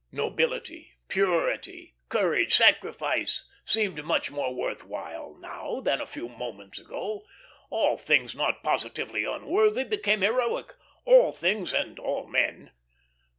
Nobility, purity, courage, sacrifice seemed much more worth while now than a few moments ago. All things not positively unworthy became heroic, all things and all men.